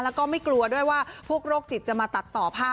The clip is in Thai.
แล้วก็ไม่กลัวด้วยว่าพวกโรคจิตจะมาตัดต่อผ้า